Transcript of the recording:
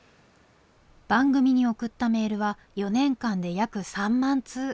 番組に送ったメールは４年間で約３万通。